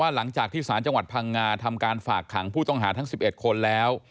หลังจากที่สารจังหวัดพังงาทำการฝากขังผู้ต้องหาทั้ง๑๑คนแล้ว